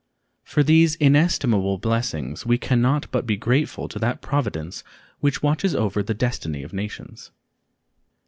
For these inestimable blessings we can not but be grateful to that Providence which watches over the destiny of nations.